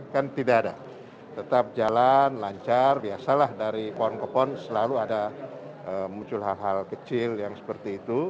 kan tidak ada tetap jalan lancar biasalah dari pohon ke pohon selalu ada muncul hal hal kecil yang seperti itu